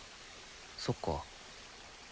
そっか。